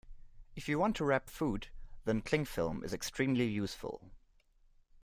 If you want to wrap food, then clingfilm is extremely useful